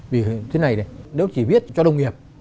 vì thế này nếu chỉ viết cho đồng nghiệp